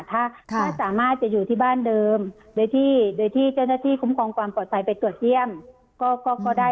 ถ้าสามารถจะอยู่ที่บ้านเดิมโดยที่โดยที่เจ้าหน้าที่คุ้มครองความปลอดภัยไปตรวจเยี่ยมก็ได้